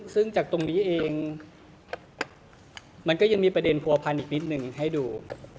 ซึ่งจากตรงนี้เองมันก็ยังมีประเด็นผัวพันอีกนิดนึงให้ดู